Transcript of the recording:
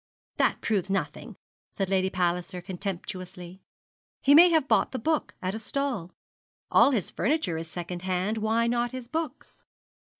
'That proves nothing,' said Lady Palliser, contemptuously. 'He may have bought the book at a stall. All his furniture is second hand, why not his books?'